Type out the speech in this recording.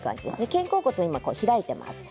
肩甲骨が開いています。